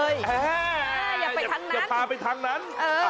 อย่าไปทางนั้น